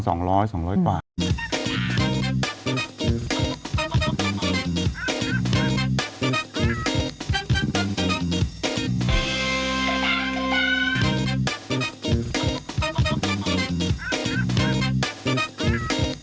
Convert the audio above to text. มีอยู่วันหนึ่งมันเสียชีวิตเท่าไหร่